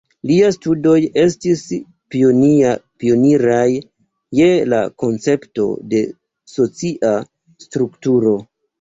Liaj studoj estis pioniraj je la koncepto de socia strukturo.